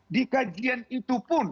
di kajian itu pun